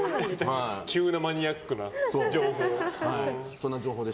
急なマニアックな情報。